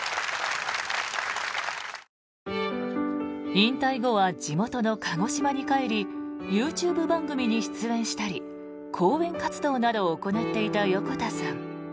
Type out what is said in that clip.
引退後は地元の鹿児島に帰りＹｏｕＴｕｂｅ番組に出演したり講演活動などを行っていた横田さん。